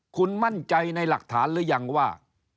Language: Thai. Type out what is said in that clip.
คุณมั่นใจในหลักฐานหรือยังว่า